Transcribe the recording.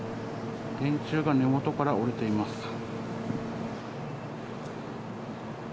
電柱が根元から折れています。